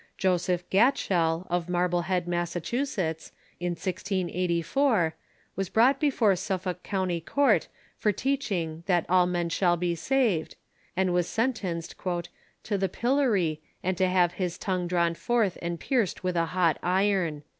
Joseph Gatschell, of Marblehead, Massachusetts, in 1084, was brought before Sufl:blk County Court for teaching " that all men shall be saved," and was sentenced "to the pillory, and to have his tongue drawn forth and pierced with a hot iron."